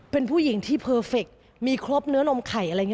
เป็นผู้หญิงที่เพอร์เฟคมีครบเนื้อนมไข่อะไรอย่างนี้